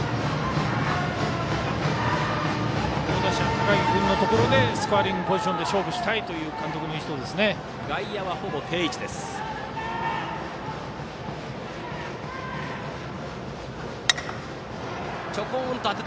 好打者の高木君のところでスコアリングポジションで勝負したいという監督の意思でしょうね。